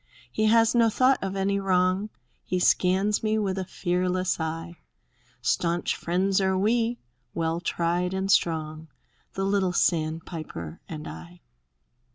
He has no thought of any wrong; He scans me with a fearless eye; Stanch friends are we, well tried and strong. The little sandpiper and I.